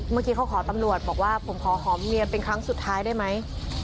เมื่อกี้เขาขอตำรวจบอกว่าผมขอหอมเมียเป็นครั้งสุดท้ายได้ไหม